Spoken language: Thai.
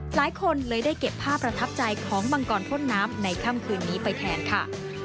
หลายคนเลยได้เก็บภาพประทับใจของมังกรพ่นน้ำในค่ำคืนนี้ไปแทนค่ะ